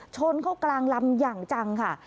ชนเข้ากลางลำอย่างจังค่ะ